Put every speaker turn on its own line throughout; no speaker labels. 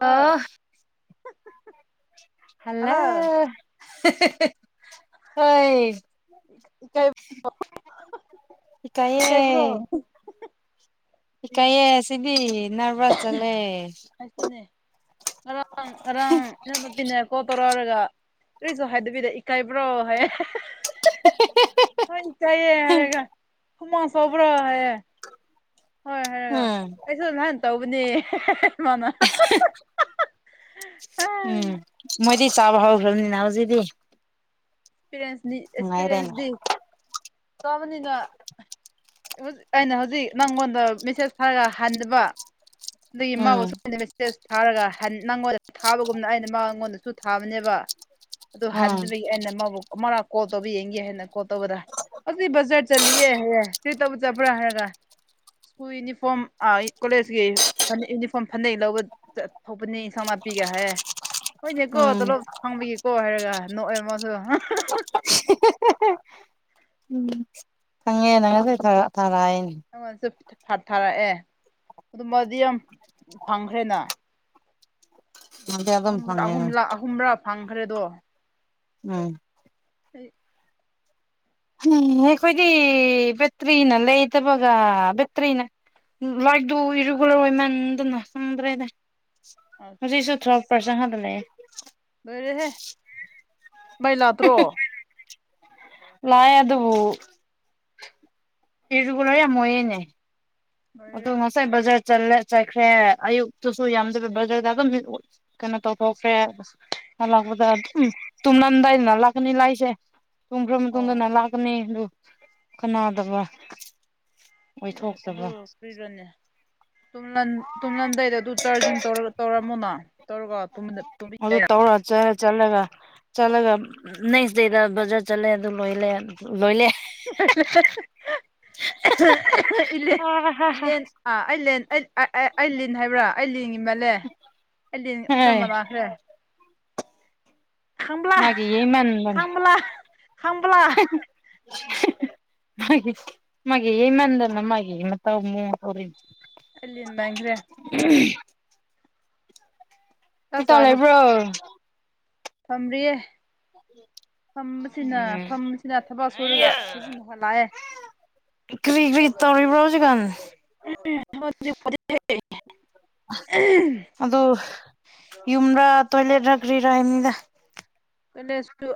Hello
hello [inaudible] ꯍꯣꯏ
ꯏꯀꯥꯏ
ꯏꯀꯥꯏꯌꯦ
ꯏꯀꯥꯏꯕ꯭ꯔꯣ
ꯏꯀꯥꯏꯌꯦ ꯁꯤꯗꯤ ꯅꯔꯚꯁ ꯆꯠꯂꯦ
ꯑꯩꯁꯨꯅꯦ ꯉꯔꯥꯡ ꯉꯔꯥꯡ
[unintelligible]
ꯏꯅꯥꯎꯅꯨꯄꯤꯅ ꯀꯣ ꯇꯧꯔꯛꯔꯒ ꯀꯔꯤꯁꯨ ꯍꯥꯏꯗꯕꯤꯗ ꯏꯀꯥꯏꯕ꯭ꯔꯣ ꯍꯥꯏ
[inaudible]
[unintelligible] ꯆꯥꯌꯦ ꯍꯥꯏꯔꯒ ꯍꯨꯃꯥꯡ ꯁꯧꯕꯔ ꯍꯥꯏꯌꯦ ꯍꯣꯏ ꯍꯥꯏꯔꯒ
ꯎꯝ
ꯑꯩꯁꯨ ꯅꯍꯥꯟ ꯇꯧꯕꯅꯦ ꯏꯃꯥꯅ
[unintelligible] ꯎꯝ ꯃꯣꯏꯗꯤ ꯆꯥꯕ ꯍꯧꯈ꯭ꯔꯕꯅꯤꯅ ꯍꯧꯖꯤꯛꯗꯤ
ꯑꯦꯛꯄꯤꯔꯦꯟꯁ
ꯅꯨꯡꯉꯥꯏꯔꯦꯅꯦ
ꯑꯦꯛꯁꯄꯤꯔꯤꯌꯦꯟꯁꯇꯤ ꯇꯥꯕꯅꯤꯅ ꯑꯩꯅ ꯍꯧꯖꯤꯛ ꯅꯪꯉꯣꯟꯗ ꯃꯦꯁꯦꯖ ꯊꯥꯒꯔ ꯍꯟꯗꯕ ꯑꯗꯒꯤ ꯃꯥꯕꯨ
ꯎꯝ
[unintelligible] ꯇꯦꯛꯁ ꯊꯥꯔꯒ ꯍꯟ ꯅꯪꯉꯣꯟꯗ ꯊꯥꯕꯒꯨꯝꯅ ꯑꯩꯅ ꯃꯉꯣꯟꯗꯁꯨ ꯊꯥꯕꯅꯦꯕ ꯑꯗꯨ
ꯎꯝ
ꯍꯟꯗꯕꯩ ꯑꯩꯅ ꯃꯥꯕꯨ ꯑꯃꯔꯛ ꯀꯣꯜ ꯇꯧꯕ ꯌꯦꯡꯒꯦ ꯍꯥꯏꯅ ꯀꯣꯜ ꯇꯧꯒꯗ꯭ꯔꯥ ꯍꯧꯖꯤꯛ ꯕꯖꯥꯔ ꯆꯠꯂꯤꯑꯦ ꯍꯥꯏꯌꯦ ꯀꯔꯤ ꯇꯧꯕ ꯆꯠꯄ꯭ꯔꯥ ꯍꯥꯏꯔꯒ ꯁ꯭ꯀꯨꯜ ꯌꯨꯅꯤꯐꯣꯔꯝ ꯑꯥ ꯀꯣꯂꯦꯖꯀꯤ ꯌꯨꯅꯤꯐꯣꯔꯝ ꯐꯅꯦꯛ ꯂꯧꯕ [unintelligible] ꯍꯣꯏꯅꯦꯀꯣ
ꯎꯝ
ꯇꯣꯂꯣꯞ ꯐꯪꯕꯒꯤꯀꯣ ꯍꯥꯏꯔꯒ ꯅꯣꯛꯑꯦꯃꯁꯨ
[unintelligible] ꯎꯝ ꯈꯪꯉꯦ ꯅꯪꯁꯦ [unintelligible]
ꯑꯩꯉꯣꯟꯁꯨ ꯊꯥ ꯊꯥꯔꯛꯑꯦ ꯑꯗꯨꯃꯗꯤ ꯌꯥꯝ ꯐꯪꯈ꯭ꯔꯦꯅ
ꯍꯧꯖꯤꯛ ꯑꯗꯨꯝ
ꯅꯣꯡꯃꯗ
ꯐꯪꯉꯦ
ꯑꯍꯨꯝꯂꯛ ꯑꯍꯨꯝꯔꯥ ꯐꯪꯈꯔꯦꯗꯣ
ꯎꯝ
[inaudible]
ꯁꯤꯔꯦ ꯑꯩꯈꯣꯏꯗꯤ ꯕꯦꯇ꯭ꯔꯤꯅ ꯂꯩꯇꯕꯒ ꯕꯦꯇ꯭ꯔꯤꯅ [unintelligible]
ꯑꯁ
ꯍꯧꯖꯤꯁꯨ ꯊꯔꯕ ꯄꯔꯁꯦꯟ ꯍꯥꯞꯂ ꯂꯩ
ꯂꯣꯏꯔꯦꯍꯦ ꯃꯩ ꯂꯥꯛꯇ꯭ꯔꯣ
ꯂꯌꯦ ꯑꯗꯨꯕꯨ ꯑꯤꯔꯤꯒꯨꯂ꯭ꯔ ꯌꯥꯝ ꯑꯣꯏꯌꯦꯅꯦ ꯑꯗꯣ
ꯂꯣꯏꯔꯦ
ꯉꯁꯥꯏ ꯕꯖꯥꯔ ꯆꯂꯦ ꯆꯠꯈ꯭ꯔꯦ ꯑꯌꯨꯛꯇꯁꯨ ꯌꯥꯝꯗꯕ ꯕꯖꯥꯔꯗ ꯑꯗꯨꯝ ꯀꯩꯅꯣ ꯇꯧꯊꯣꯛꯈ꯭ꯔꯦ ꯂꯥꯛꯄꯗ ꯑꯗꯨꯝ ꯇꯨꯝꯅꯝꯗꯥꯏꯗꯅ ꯂꯥꯛꯀꯅꯤ ꯂꯥꯏꯁꯦ ꯇꯨꯝꯈꯔ
ꯑꯣ
ꯃꯇꯨꯡꯗꯅ ꯂꯥꯛꯀꯅꯤ ꯑꯗꯨ ꯀꯅꯥꯗꯕ
ꯑꯗꯨ
ꯑꯣꯏꯊꯣꯛꯇꯕ
ꯀꯏꯔꯅꯤ ꯇ ꯇꯨꯝꯂꯟꯗꯥꯩꯗ ꯑꯗꯨ ꯆꯥꯔꯖꯤꯡ ꯇꯧꯔ ꯇꯔꯃꯨꯅ
ꯑꯗꯨ ꯇꯧꯔ ꯆꯠ ꯆꯠꯂꯒ ꯆꯠꯂꯒ ꯅꯦꯛꯁ ꯗꯦꯗ ꯕꯖꯥꯔ ꯆꯠꯂꯦ ꯑꯗꯨ ꯂꯣꯏꯜꯂꯦ ꯂꯣꯏꯜꯂꯦ
[unintelligible] ꯑꯥ ꯑꯩ ꯑꯩ ꯂꯤꯟ ꯍꯥꯏꯕ꯭ꯔꯥ ꯑꯩ ꯂꯤꯟꯒꯤ ꯃꯜꯂꯦ ꯑꯩ ꯂꯤꯟ
ꯍꯣꯏ
ꯑꯆꯝꯕ ꯂꯅꯥꯈ꯭ꯔꯦ ꯈ
ꯃꯥꯒꯤ ꯌꯩꯃꯟꯗꯅ
ꯈꯝꯂ ꯈꯝꯂ
ꯃꯥꯒꯤ ꯃꯒꯤꯦ ꯌꯦ ꯃꯗꯅ ꯃꯥꯒꯤꯦ ꯏ ꯃ ꯇꯥꯎ ꯃ ꯇꯧꯔꯤ
ꯑꯜꯂꯤꯟ ꯪ꯭ꯔꯦ
[unintelligible]
ꯆꯥꯛ
ꯀꯇ
ꯆꯥꯈ꯭ꯔ
ꯂꯩꯕ꯭ꯔꯣ
ꯐꯝꯔꯤꯌꯦ ꯐꯝꯕꯁꯤꯅ
ꯎꯝ
ꯐꯝꯕꯁꯤꯅ ꯊꯕꯛ ꯁꯨꯔꯒ ꯍꯧꯖꯤꯛ ꯍ ꯂꯥꯛꯑꯦ
ꯀ꯭ꯔꯤ ꯀ꯭ꯔꯤ ꯇꯧꯔꯤꯕꯔ ꯍꯧꯖꯤꯛꯀꯥꯟ
[unintelligible]
ꯑꯗꯨ ꯌꯨꯝꯔꯥ ꯇꯣꯏꯂꯦꯠꯔ ꯀꯔꯤꯔ ꯍꯥꯏ ꯅꯤꯗ
ꯀ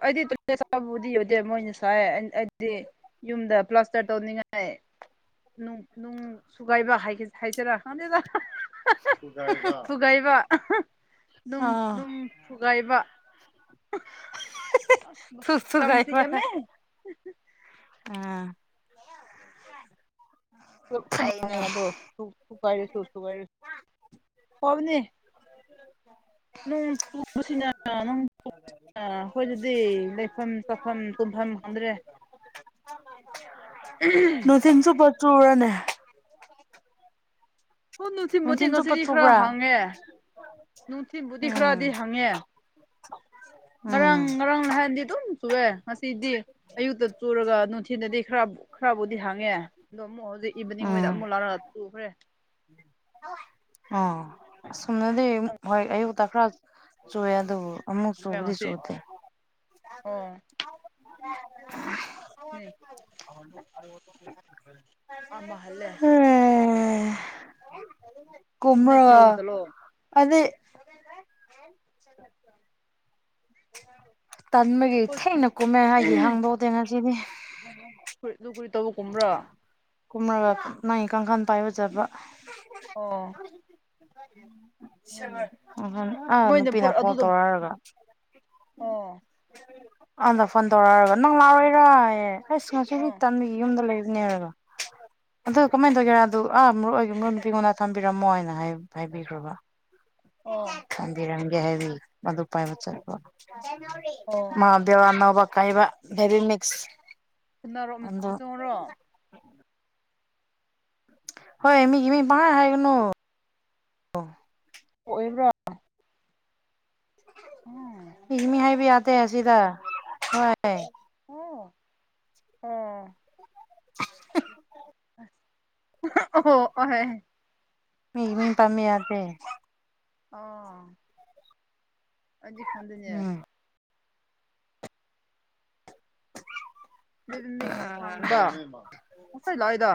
ꯑꯩꯗꯤꯕꯨꯗꯤ ꯌꯗꯦ ꯃꯣꯏꯅ ꯁꯥꯏ ꯑꯩꯗꯤ ꯌꯨꯝꯗ ꯄ꯭ꯂꯥꯁꯇꯔ ꯇꯧꯅꯤꯡꯉꯥꯏ ꯅꯨꯡ ꯅꯨꯡ ꯎꯝ ꯁꯨꯒꯥꯏꯕ ꯍꯥꯏꯁꯔꯥ ꯈꯗꯦꯗ ꯊꯨꯒꯥꯏꯕ ꯅꯨꯡ
ꯑꯥ
ꯅꯨꯡ ꯊꯨꯒꯥꯏꯕ
ꯊꯨꯛ
ꯀꯪꯁꯤ
ꯊꯨꯒꯥꯏꯕ
ꯌꯥꯝꯃꯦ
[unintelligible] ꯐꯩꯅꯦ
[unintelligible] ꯀꯕꯅꯦ ꯅꯣꯛ ꯆꯨꯕꯁꯤꯅꯥ ꯑꯥ ꯍꯣꯏ ꯑꯗꯨꯗꯤ ꯂꯩꯐꯝ ꯆꯥꯐꯝ ꯇꯨꯝꯐꯝ ꯈꯪꯗ꯭ꯔꯦ
ꯅꯨꯡꯊꯤꯟꯁꯨ ꯕꯆꯨꯔꯅꯦ
ꯍꯣꯏ ꯅꯨꯡꯊꯤꯜꯕꯨꯗꯤ
ꯅꯨꯡꯊꯤꯟ ꯆꯨꯞꯄ
ꯉꯁꯤꯗꯤ ꯈꯔ
ꯆꯨꯕ꯭ꯔꯥ
ꯍꯪꯉꯦ ꯅꯨꯡꯊꯤꯜꯕꯨꯗꯤ ꯈꯔꯗꯤ
ꯎꯝ
ꯍꯪꯉꯦ꯫ ꯉꯔꯥꯡ
ꯎꯝ
ꯉꯔꯥꯡ ꯅꯍꯥꯟꯗꯤ ꯑꯗꯨꯝ ꯆꯨꯑꯦ꯫ ꯉꯁꯤꯗꯤ ꯑꯌꯨꯛꯇ ꯆꯨꯔꯒ ꯅꯨꯡꯊꯤꯜꯗꯗꯤ ꯈꯔ ꯈꯔꯕꯨꯗꯤ ꯍꯥꯡꯉꯦ ꯑꯗꯣ ꯑꯃꯨꯛ ꯍꯧꯖꯤꯛ ꯏꯚꯤꯅꯤꯡꯗ
ꯎꯝ
ꯑꯃꯨꯛ ꯂꯥꯔꯒ ꯇꯨꯈ꯭ꯔꯦ
ꯑ ꯑꯁꯨꯝꯗꯗꯤ ꯍꯣꯏ ꯑꯌꯨꯛꯇ ꯈꯔ ꯆꯨꯌꯦ ꯑꯗꯨꯕꯨ ꯑꯃꯨꯛ ꯆꯨꯕꯗꯤ
ꯉꯁꯤ
ꯆꯨꯗꯦ
ꯑꯣ ꯅꯦ
[unintelligible]
ꯑꯃꯍꯜꯂꯦ ꯒꯨꯠ ꯅꯥꯏꯠꯁꯨ ꯂꯧꯕ
ꯀꯨꯝꯃꯔ
ꯆꯠꯂꯣ
[unintelligible] ꯇꯟꯕꯒꯤ
ꯍꯣꯏ
ꯊꯦꯡꯅ ꯀꯨꯝꯃꯦ ꯍꯥꯏꯒꯦ ꯍꯥꯡꯗꯣꯛꯇꯦ ꯉꯁꯤꯗꯤ
[unintelligible] ꯇꯧꯕ ꯀꯨꯝꯕ꯭ꯔꯥ
ꯀꯨꯝꯔꯒ ꯅꯪꯒꯤ ꯀꯥꯡꯈꯜ ꯄꯥꯏꯕ ꯆꯠꯄ
ꯑꯣ ꯍꯣꯏꯅꯦ
ꯎꯝ ꯑꯥ
ꯃꯣꯏꯅ
ꯅꯨꯄꯤꯅ
ꯄꯨꯔ
ꯀꯣꯜ
ꯑꯗꯨꯗ
ꯇꯧꯔꯛꯔꯒ
ꯑꯣ
ꯑꯗ ꯐꯣꯟ ꯇꯧꯔꯛꯑꯔꯕ ꯅꯪꯂꯥꯛꯔꯣꯏꯔꯑ ꯑꯁ ꯉꯁꯤꯗꯤ
ꯑꯣ
ꯇꯥꯟꯕꯒꯤ ꯌꯨꯝꯗ ꯂꯩꯕꯅꯦꯕ꯫ ꯑꯗꯣ ꯀꯃꯥꯏ ꯇꯧꯒꯦꯔꯥ ꯑꯗꯨ ꯑꯥ ꯃꯔꯨꯨꯞ ꯑꯣꯏꯒꯦ ꯃꯔ ꯅꯨꯄꯤꯉꯣꯟꯗ ꯊꯝꯕꯤꯔꯝꯃꯣ ꯍꯥꯏꯅ ꯍꯥꯏꯕꯤꯈ꯭ꯔꯣꯕ꯫
ꯑꯣ
ꯕꯤꯔꯪꯒꯦ ꯍꯥꯏꯕꯤ ꯃꯗꯨ ꯄꯥꯏꯕ ꯆꯠꯄ
ꯑꯣ
ꯃꯥ ꯕꯦꯋꯥ ꯃꯩꯕ ꯀꯩꯕ ꯕꯦꯕꯤ ꯃꯤꯛꯁ ꯑꯗꯣ
[unintelligible]
ꯍꯣꯏ ꯃꯤ ꯒꯤ ꯃꯤ ꯄꯪ ꯍꯥꯏ ꯍꯥꯏꯒꯅꯣ
ꯑꯣꯏꯕ꯭ꯔꯥ? ꯎꯝ
ꯃꯤꯒꯤ ꯃꯤꯡ ꯍꯥꯏꯕ ꯌꯥꯗꯦ ꯑꯁꯤꯗ ꯍꯣꯏ꯫
ꯑꯣ [unintelligible]
[unintelligible] [inaudible]
ꯑꯣꯍꯣ ꯑꯍꯣꯏ ꯫
ꯃꯤꯒꯤ ꯃꯤꯡ ꯄꯟꯕ ꯌꯥꯗꯦ꯫
ꯑꯣ ꯑꯩꯗꯤ ꯈꯪꯗꯦꯅꯦ꯫
ꯎꯝ
ꯂꯤꯕ ꯃꯤꯛꯁ ꯍꯪꯕ ꯉꯁꯥꯏ ꯂꯥꯛꯏꯗ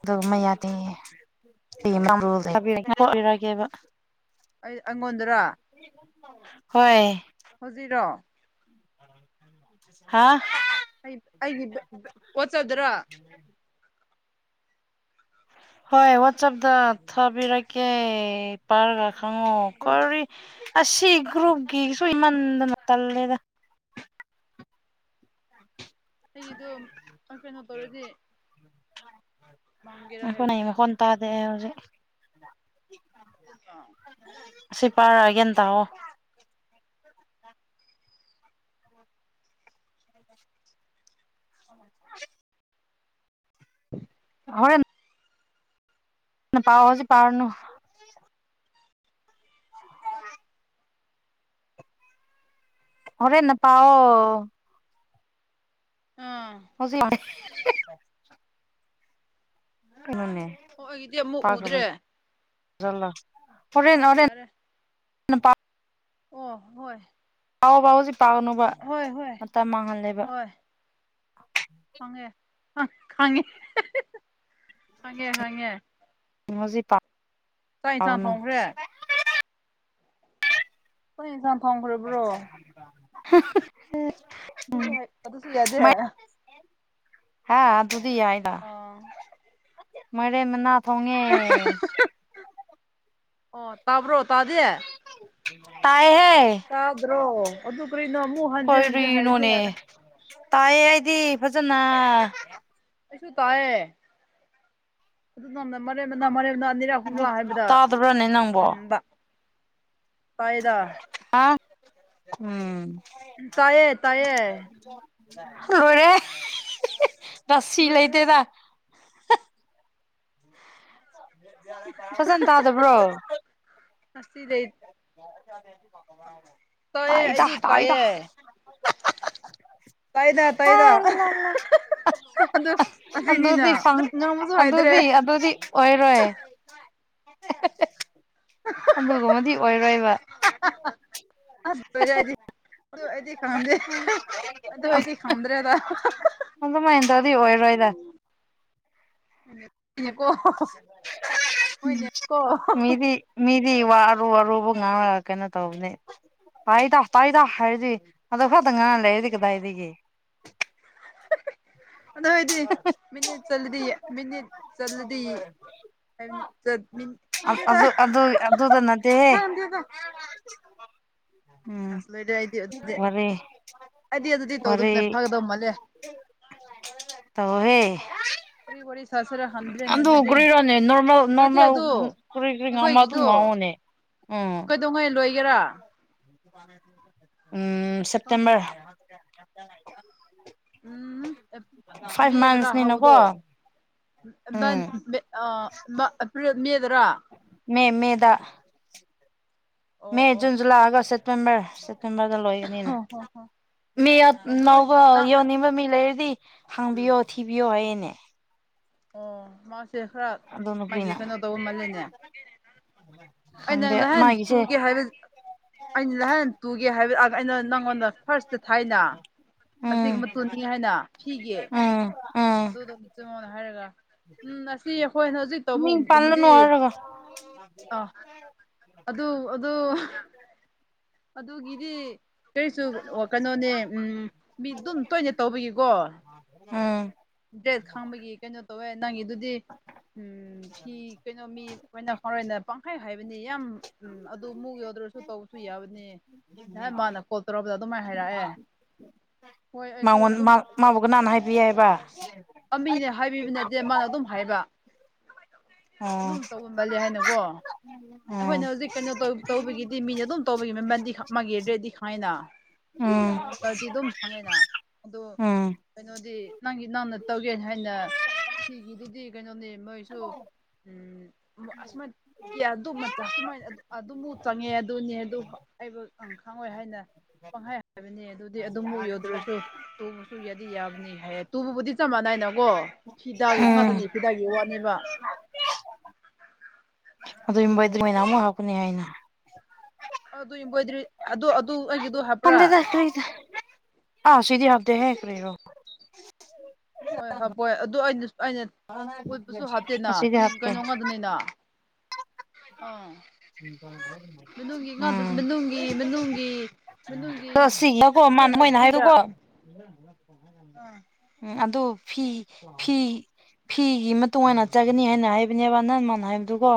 ꯑꯗꯨꯒꯨꯝꯕꯥ ꯌꯥꯗꯦ꯫ [unintelligible]
ꯑꯩ ꯑꯩꯉꯣꯟꯗꯔ?
ꯍꯣꯏ꯫
ꯍꯧꯖꯤꯛꯔꯣ?
[unintelligible] [inaudible] ꯍꯥꯥ
ꯑꯩ ꯑꯩꯒꯤ ꯋꯥꯆꯗ꯭ꯔ
ꯍꯣꯏ ꯋꯥꯆꯞꯇ ꯊꯥꯕꯤꯔꯛꯀꯦ ꯄꯥꯏꯔꯒ ꯈꯪꯉꯣ ꯀꯔꯤ ꯑꯁꯤ ꯒ꯭ꯔꯨꯨꯞꯒꯤ ꯁꯣꯏꯃꯟꯗꯅ ꯇꯜꯂꯦꯗ
ꯑꯩꯒꯤꯗꯨ ꯀꯩꯅꯣ ꯇꯔꯗꯤ
ꯉꯥꯏꯈꯣꯅꯦ
ꯍꯥꯏꯕꯅꯤꯗ
ꯃꯈꯣꯟ ꯇꯥꯗꯦ ꯑꯩ ꯍꯧꯖꯤꯛ꯫
[unintelligible]
ꯁꯤꯄꯥꯥꯔꯒꯦ ꯇꯣ [unintelligible]
[unintelligible]
ꯍꯣꯔꯦꯟ ꯅ ꯄꯑꯣꯁꯤ ꯄꯥꯔꯅ ꯍꯣꯔꯦꯟꯅ ꯄꯥꯎꯑꯣ
ꯑꯥ
ꯍꯧꯖꯤꯠ ꯀꯩꯅꯣꯅꯦ
ꯑꯣ ꯑꯩꯒꯤꯗꯤ ꯑꯃꯨꯛ ꯎꯗ꯭ꯔꯦ
[unintelligible] ꯍꯣꯔꯦꯟ -
ꯑꯣ
ꯍꯣꯔꯦꯟ
ꯌꯥꯔꯦ ꯑꯣ ꯍꯣꯏ꯫
ꯄꯥꯎꯑꯣ ꯄꯥꯎ ꯁꯤ ꯄꯥꯒꯅꯨꯕ
ꯍꯣꯏ ꯍꯣꯏ
ꯃꯇꯝ ꯃꯥꯡꯍꯜꯂꯦꯕ
ꯍꯣꯏ ꯐꯪꯉꯦ ꯈꯪꯉꯦ ꯈꯪꯉꯦ - ꯈꯪꯉꯦ꯫ ꯆꯥꯛ ꯌꯦꯟꯁꯥꯡ ꯊꯣꯡꯈ꯭ꯔꯦ
[unintelligible]
ꯑꯩꯈꯣꯏ ꯌꯦꯟꯁꯥꯡ ꯊꯣꯡꯈꯔ꯭ꯕꯣ?
[unintelligible]
ꯑꯗꯨꯁꯨ ꯍꯩ ꯑꯗꯨꯁꯨ ꯌꯥꯗꯤ
ꯍꯥ ꯑꯗꯨꯗꯤ ꯌꯥꯏ
ꯑꯥ
ꯃꯥꯏꯔꯦꯟ ꯃꯅꯥ ꯊꯣꯡ ꯉꯦ ꯫
ꯑꯣ ꯇꯥꯕ꯭ꯔꯣ ꯇꯥꯗꯦ
ꯇꯥꯏꯌꯦꯍꯦ!
ꯇꯥꯗ꯭ꯔꯣ ꯑꯗꯨ ꯀꯔꯤꯅꯣ ꯑꯃꯨꯛ ꯍꯟꯖꯤꯟ ꯍꯟꯖꯤꯟ ꯍꯥꯏꯁꯦ
ꯀꯔꯤꯅꯣꯅꯦ
ꯌꯥꯔꯦ
ꯇꯥꯏꯌꯦ ꯑꯩꯗꯤ ꯐꯖꯅ꯫
ꯑꯩꯁꯨ ꯇꯥꯏꯌꯦ ꯑꯗꯨꯅ [unintelligible] ꯑꯅꯤꯔꯛ
ꯑꯗꯨ
ꯑꯍꯨꯝꯂꯥ ꯍꯥꯏꯕꯗ
ꯇꯥꯗꯕ꯭ꯔꯅꯦ
ꯍꯥꯏꯅ
ꯅꯪꯕꯣ
ꯈꯟꯕ꯫ ꯇꯥꯏꯌꯦꯗ
ꯑꯥ ꯎꯝ
ꯇꯥꯏꯌꯦ ꯇꯥꯏꯌꯦ
ꯂꯣꯏꯔꯦ ꯔꯁꯤ
ꯂꯣꯏꯔꯦꯍꯦ
ꯂꯩꯇꯦꯗ ꯐꯖꯅ ꯇꯥꯗꯕ꯭ꯔꯣ
ꯉꯁꯤꯗꯩ ꯇꯥꯏꯌꯦ
ꯇꯥꯏꯗ
ꯑꯩꯗꯤ
ꯇꯥꯏꯗ
ꯇꯥꯏꯌꯦ ꯇꯥꯏꯗ - ꯇꯥꯏꯗ ꯑꯗꯨ ꯑꯁꯤꯅꯤꯅ
ꯑꯗꯨꯗꯤ ꯁꯥꯎ
ꯉꯥꯡꯕꯁꯨ ꯍꯩꯗ꯭ꯔꯦ
ꯑꯗꯨꯗꯤ ꯑꯗꯨꯗꯤ ꯑꯣꯏꯔꯣꯏ ꯑꯗꯨꯒꯨꯝꯕꯗꯤ ꯑꯣꯏꯔꯣꯏꯕ꯫
ꯑꯁ ꯂꯣꯏꯔꯛꯑꯗꯤ ꯑꯗꯨ ꯑꯩꯗꯤ ꯈꯝꯗꯦ ꯑꯗꯨ ꯑꯩꯗꯤ ꯈꯝꯗ꯭ꯔꯦꯗ!
ꯑꯗꯨꯃꯥꯏꯅ ꯇꯧꯗꯤ ꯑꯣꯏꯔꯣꯏꯗ꯫
[unintelligible] ꯍꯣꯏꯅꯦꯀꯣ
ꯃꯤꯗꯤ ꯃꯤꯗꯤ ꯋꯥꯔꯨ ꯑꯔꯨꯕ ꯉꯥꯡꯉꯒ ꯀꯩꯅꯣ ꯇꯧꯕꯅꯦ ꯇꯥꯏꯗ ꯇꯥꯏꯗ ꯍꯥꯏꯔꯗꯤ ꯑꯗꯣ ꯈꯛꯇꯪ ꯉꯥꯡꯔ ꯂꯩꯔꯗꯤ ꯀꯗꯥꯏꯗꯒꯤ?
ꯑꯗꯨ ꯑꯣꯏꯗꯤ ꯃꯤꯅꯤꯠ ꯆꯠꯂꯗꯤ ꯃꯤꯅꯤꯠ ꯆꯠꯂꯗꯤ [unintelligible] ꯈꯪ ꯗꯦꯗꯥ!
ꯅꯗꯦꯍꯦ ꯎꯝ
ꯑꯁ ꯂꯣꯏꯗꯦ ꯑꯩꯗꯤ ꯑꯗꯨꯗꯤ
ꯋꯥꯔꯤ
ꯑꯩꯗꯤ ꯑꯗꯨꯗꯤ ꯇꯧꯗꯕꯅ
ꯋꯥꯔꯤ
ꯐꯒꯗꯕ ꯃꯥꯜꯂꯦ
ꯇꯧꯑꯍꯦ
ꯀꯔꯤ ꯋꯥꯔꯤ ꯁꯥꯁꯤꯔ ꯈꯪꯗ꯭ꯔꯦꯅꯦ
ꯑꯗꯨ
ꯑꯗꯨꯗꯤ
ꯀꯔꯤꯔꯣꯅꯦ ꯅꯣꯔꯃꯦꯜ
ꯅꯠꯇꯦ
ꯅꯣꯔꯃꯦꯜ
ꯑꯗꯨ
ꯀꯔꯤ ꯀꯨ ꯉꯥꯡꯕ ꯑꯗꯨꯝ
ꯑꯩꯈꯣꯏꯒꯤꯗꯣ
ꯉꯥꯡꯉꯣꯅꯦ ꯑꯝ
ꯀꯩꯗꯧꯉꯩ ꯂꯣꯏꯒꯦꯔꯥ
ꯎꯝ ꯁꯦꯞꯇꯦꯝꯕꯔ
ꯎꯝ
ꯐꯥꯏꯚ ꯃꯥꯟꯁꯅꯤꯅ ꯀꯣ
ꯑ ꯃꯗꯔꯥ
ꯃꯦꯃꯤꯗ ꯃꯦ
ꯑꯣ
ꯖꯨꯟ
ꯑꯣ
ꯖꯨꯂꯥꯏ ꯑꯥꯒꯁ ꯁꯦꯞꯇꯦꯝꯕꯔ ꯁꯦꯞꯇꯦꯝꯕꯔꯗ ꯂꯣꯏꯒꯅꯤꯅꯦ
ꯍꯣ ꯍꯣ ꯍꯣ
ꯃꯤ ꯑ
ꯑꯣ ꯑꯗꯨ ꯅꯪ
ꯅꯧꯕ
ꯅꯪ
ꯌꯥꯎꯅꯤꯡꯕ ꯃꯤ ꯂꯩꯔꯗꯤ ꯍꯥꯪꯕꯤꯌꯣ ꯊꯤꯕꯤꯌꯣ ꯍꯥꯏꯌꯦꯅꯦ
ꯑꯣ ꯃꯥꯁꯦ ꯈꯔ
ꯑꯗꯨ
ꯃꯥꯒꯤ
ꯅꯨꯄꯤꯅ
ꯀꯩꯅꯣ ꯇꯧꯕ ꯃꯥꯜꯂꯦꯅꯦ ꯑꯩ ꯅꯪ
ꯈꯪꯗꯦ
ꯂꯍꯥꯟ
ꯃꯥꯒꯤꯁꯦ
ꯇꯨꯒꯤ ꯍꯥꯏꯕ ꯑꯩꯅ ꯅꯍꯥꯟ ꯇꯨꯒꯦ ꯍꯥꯏꯕ ꯑꯥ ꯑꯩꯅ ꯅꯪꯉꯣꯟꯗ ꯐꯥꯔꯁꯇ ꯊꯥꯏꯅ ꯑꯁꯤ
ꯎꯝ
ꯃꯇꯨꯅꯤ ꯍꯥꯏꯅ ꯁꯤꯒꯤ
ꯎꯝ ꯎꯝ
ꯑꯗꯨꯗꯣ ꯃ ꯃꯉꯣꯟ ꯍꯥꯏꯔꯒ ꯎꯝ ꯑꯁꯤ ꯑꯩꯈꯣꯏꯅ ꯍꯧꯖꯤꯛ
ꯃꯤꯡ
ꯇꯧꯕꯒꯨꯝ- ꯒꯨꯝꯕꯗꯤ
ꯄꯜꯂꯅꯨ ꯍꯥꯏꯔꯒ
ꯑ ꯑꯗꯨ ꯑꯗꯨ ꯑꯗꯨꯒꯤꯗꯤ ꯀꯔꯤꯁꯨ ꯀꯩꯅꯣꯅꯦ ꯎꯝ ꯃꯤ ꯗꯨꯝ ꯇꯣꯏꯅ ꯇꯧꯕꯒꯤꯀꯣ
ꯑꯝ
ꯗ꯭ꯔꯦꯠ ꯈꯥꯡꯕꯒꯤ ꯀꯩꯅꯣ ꯇꯧꯋꯦ ꯅꯪꯒꯤꯗꯨꯗꯤ ꯎꯝ ꯐꯤ ꯀꯩꯅꯣ ꯃꯤ ꯑꯩꯈꯣꯏꯅ ꯍꯣꯔꯦꯟꯅ ꯄꯪꯍꯥꯏ ꯍꯥꯏꯕꯅꯦ ꯌꯥꯝ ꯎꯝ ꯑꯗꯨ ꯃꯨꯛ ꯌꯥꯎꯗ꯭ꯔꯁꯨ ꯇꯧꯕꯁꯨ ꯌꯥꯕꯅꯦ ꯅ ꯃꯥꯅ ꯀꯣꯜ ꯇꯧꯔꯛꯕꯗ ꯑꯗꯨꯃꯥꯏ ꯍꯥꯏꯔꯛꯑꯦ ꯍꯣꯏ ꯑꯩꯁꯨ ꯑꯗꯨꯝ ꯐꯖꯩ
ꯍꯃꯒꯅ ꯍꯥꯏꯕꯤ ꯌꯥꯏꯑꯕꯕꯥ
ꯑꯃꯅꯦ ꯍꯥꯏꯕꯤꯕ ꯅꯠꯇꯦ ꯃꯥꯅ ꯑꯗꯨꯝ ꯍꯥꯏꯕ
ꯑꯣ
ꯑꯗꯨꯝ ꯇꯧꯕ ꯃꯥꯜꯂ ꯍꯥꯏꯅꯀꯣ ꯑꯩꯈꯣꯏꯅ
ꯎꯝ
ꯍꯧꯖꯤꯛ ꯀꯩꯅꯣ ꯇꯧ ꯇꯧꯕꯒꯤꯗꯤ ꯃꯤꯅ ꯑꯗꯨꯝ ꯇꯧꯕꯒꯤ ꯃꯟꯗꯤ ꯃꯥꯒꯤ ꯔꯦꯗꯤ ꯍꯥꯏꯥꯏꯅ
ꯎꯝ
ꯃꯣꯏꯒꯤ ꯃꯄꯥꯗꯤ ꯑꯗꯨꯝ ꯐꯪꯉꯦꯅ ꯑꯗꯨ
ꯎꯝ
ꯀꯩꯅꯣꯗꯤ ꯅꯪꯒꯤ ꯅꯥꯪꯅ ꯇꯧꯒꯦꯅ ꯍꯥꯏꯅ ꯐꯤꯒꯤꯗꯨꯗꯤ ꯀꯩꯅꯣꯅꯦ ꯃꯣꯏꯁꯨ ꯎ ꯑꯁꯨꯃꯥ ꯀꯌꯥ ꯑꯗꯨ ꯃꯆꯥ ꯁꯨꯃꯥꯏꯅ ꯑꯗꯨ ꯑꯗꯨꯃꯨꯛ ꯆꯪꯉꯦ ꯑꯗꯨꯅꯦ ꯑꯗꯨ ꯑꯩꯕꯨ ꯈꯪꯉꯣꯏ ꯍꯥꯏꯅ ꯄꯪꯍꯥꯏ ꯍꯥꯏꯕꯅꯤ ꯑꯗꯨꯗꯤ ꯑꯗꯨꯝꯥꯎꯛ ꯌꯧꯗ꯭ꯔꯁꯨ ꯇꯣꯡꯉꯁꯨ ꯌꯥꯗꯤ ꯌꯥꯕꯅꯤ ꯍꯥꯏ ꯇꯨꯕꯕꯨꯗꯤ ꯆꯞ ꯃꯥꯟꯅꯏꯅꯀꯣ ꯐꯤꯗꯥꯒꯤ
ꯎꯝ
ꯉꯗꯨꯅꯤ ꯐꯤꯗꯥꯒꯤ ꯋꯥꯠꯅꯦꯕ
ꯑꯗꯨ
ꯑꯗꯣ
ꯌꯨꯝꯕꯩ ꯑꯗꯨ ꯃꯅꯥ ꯑꯃ ꯍꯥꯞꯀꯅꯤ ꯍꯥꯏꯅ
ꯑꯗꯨ ꯏꯝꯕꯣꯏꯗꯔꯤ ꯑꯗꯨ ꯑꯗꯨ ꯑꯩꯒꯤꯗꯣ ꯍꯥꯞꯄ꯭ꯔꯥ
ꯇꯥꯏꯗ ꯑꯥ ꯁꯤꯗꯤ ꯍꯥꯞꯗꯦ ꯍꯦ ꯀ꯭ꯔꯦꯔꯣ
ꯍꯣꯏ ꯍꯕꯣꯏ ꯑꯗꯨ ꯑꯩꯅ ꯑꯩꯅ ꯎꯠꯄꯁꯨ ꯍꯥꯞꯇꯦꯅ
ꯉꯁꯤꯗꯤ
ꯐꯤ
ꯍꯥꯞꯇꯦ
ꯀꯩꯅꯣ ꯉꯛꯇꯅꯤꯅ ꯑꯥ ꯃꯅꯨꯡꯒꯤ ꯉꯥ
ꯎꯝ
ꯃꯅꯨꯡꯒꯤ ꯃꯅꯨꯡꯒꯤ ꯃꯅꯨꯡꯒꯤ
[unintelligible] ꯃ ꯃꯣꯏꯅ
ꯅꯦꯠꯅꯗꯕꯤꯗ
ꯍꯥꯏꯕꯗꯣꯀꯣ
ꯑꯥ
ꯎꯝ ꯑꯗꯣ ꯐꯤ ꯐꯤ ꯐꯤꯒꯤ ꯃꯇꯨꯡꯏꯟꯅꯠ ꯆꯒꯅꯤ ꯍꯥꯏꯅ ꯍꯥꯏꯕꯅꯦꯕ ꯅꯍꯟ ꯃꯥꯅ ꯍꯥꯏꯕꯗꯨꯀꯣ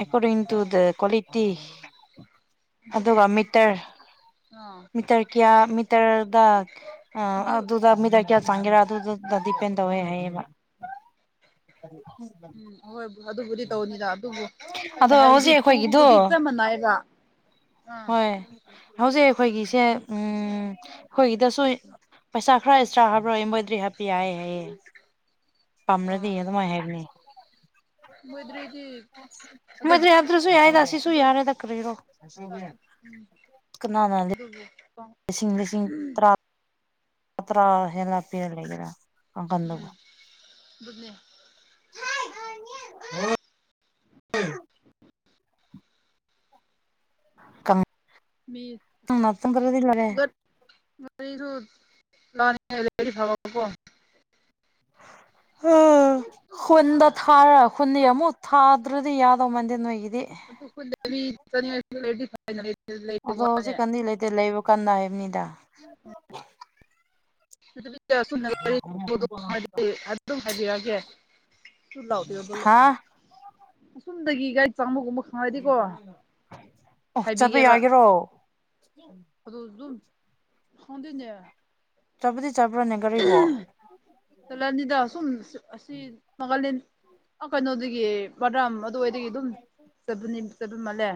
ꯑꯦꯀꯣꯗꯤꯛ ꯇꯨ
ꯑꯥ
ꯀ꯭ꯋꯥꯂꯤꯇꯤ
ꯑꯗꯨꯅꯦ
ꯑꯗꯨꯒ ꯃꯤꯇꯔ
ꯑꯥ
ꯃꯤꯇꯔ ꯀꯌꯥ ꯃꯤꯇꯔꯗ ꯑ
ꯑꯗꯨ
ꯑꯗꯨꯗ ꯃꯤꯗ ꯀꯌꯥ ꯆꯥꯪꯒꯦꯔꯥ ꯑꯗꯨꯗꯨꯗ ꯗꯤꯄꯦꯟ ꯇꯧꯋꯦ ꯍꯥꯏꯌꯦꯕ
ꯎꯝ ꯍꯣꯏꯕꯨ ꯑꯗꯨꯕꯨꯗꯤ ꯇꯧꯅꯤꯗ ꯑꯗꯨꯕꯨ ꯑꯩꯅ
ꯑꯗꯣ
ꯍꯥꯏꯕꯗꯤ
ꯍꯧꯖꯤꯛ ꯑꯩꯈꯣꯏꯒꯤꯗꯣ
ꯇꯨꯕꯨꯕꯨꯗꯤ ꯏꯆ ꯃꯅꯥꯏ ꯗ ꯎꯝ
ꯍꯣꯏ ꯍꯧꯖꯤꯛ ꯑꯩꯈꯣꯏꯒꯤꯁꯦ ꯎꯝ ꯑꯩꯈꯣꯏꯒꯤ ꯗꯁꯨ ꯄꯩꯁꯥ ꯈꯔ ꯑꯦꯛꯁꯇ꯭ꯔꯥ ꯍꯥꯞꯕ꯭ꯔꯣ ꯏꯝꯕꯣꯏꯗ꯭ꯔꯤ ꯍꯥꯞꯄꯤ ꯌꯥꯏ ꯍꯥꯏꯌꯦꯦ ꯄꯥꯝꯅꯗꯤ
ꯑꯥ
ꯑꯗꯨꯃꯥꯏ ꯍꯥꯏꯕꯅꯦ
ꯃꯣꯏꯗ꯭ꯔꯗꯤ ꯑꯗꯨ
ꯃꯗꯔꯌꯥꯗꯔꯁꯨ ꯌꯥꯏꯗꯁꯤꯁꯨ
ꯑꯗꯨ
ꯌꯥꯔꯦ ꯇ ꯌꯔꯣ
ꯎꯝ ꯑꯗꯨꯕꯨ
ꯂꯤꯁꯤꯡ ꯂꯤꯁꯤꯡ
ꯎꯝ
ꯄꯠꯇ꯭ꯔ ꯍꯦꯂ ꯄꯤꯔ ꯂꯩꯒꯔ
ꯎꯝ ꯗꯨꯅꯦ
[unintelligible]
ꯃꯤ
ꯀꯪꯅ ꯆꯪꯗ꯭ꯔꯗꯤ ꯂꯣꯏꯔꯦ
ꯉꯁꯨ ꯂꯉꯗꯤ ꯐꯕꯀꯣ
ꯎ ꯈꯨꯟꯗ ꯊꯥꯔ ꯈꯨꯟꯅ ꯑꯃꯨꯛ ꯊꯥꯗ꯭ꯔꯗꯤ ꯌꯥꯗꯧ ꯃꯟꯗꯦ ꯅꯣꯏꯒꯤꯗꯤ ꯑꯗꯣ
[unintelligible]
ꯍꯧꯖꯤꯛꯀꯥꯟꯗꯤ ꯂꯩꯕ ꯀꯟꯅ ꯍꯥꯏꯕꯅꯤꯗ [unintelligible]
[unintelligible] ꯍꯥꯏꯗꯤ ꯑꯗꯨꯝ ꯍꯥꯏꯕꯤꯔꯒꯦ
ꯍꯥ
[unintelligible]
ꯑꯣ ꯆꯠꯄ
ꯍꯥꯏꯕꯤꯒꯦꯕ
ꯌꯥꯒꯦꯔꯣ
ꯑꯗꯨ ꯑꯗꯨꯝ ꯈꯥꯪꯗꯦꯅꯦ
ꯆꯠꯄꯗꯤ ꯆꯠꯕ꯭ꯔꯣꯅꯦ ꯒꯥꯔꯤꯕꯣ
ꯂꯥꯟꯅꯤꯗ ꯑ ꯁꯨꯝ ꯑꯁꯤ ꯒꯥꯂꯦꯟ ꯀꯩꯅꯣꯗꯒꯤ ꯄꯗ꯭ꯔꯝ ꯑꯗꯨꯋꯥꯏꯗꯒꯤ ꯑꯗꯨꯝ ꯆꯠꯄꯅꯤ ꯆꯠꯄ ꯃꯥꯜꯂꯦ